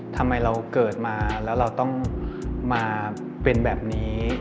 ทำไมเราเกิดมาแล้วเราต้องมาเป็นแบบนี้